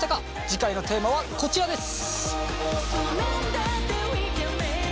次回のテーマはこちらです。